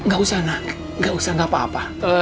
gak usah nak gak usah gak apa apa